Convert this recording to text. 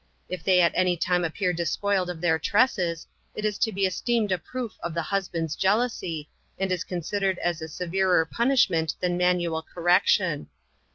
If they at any time appear despoiled of their tresses, it is to be esteemed a proof of the husband's jealousy, and is considered as a Severer punishment than manuel correction.